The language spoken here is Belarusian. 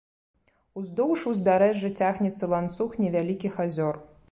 Уздоўж узбярэжжа цягнецца ланцуг невялікіх азёр.